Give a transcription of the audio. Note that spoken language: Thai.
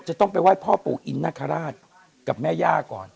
จะต้องไปไหว้พ่อปูอินฆราชกับแม่หญ้าก่อน